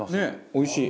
おいしい！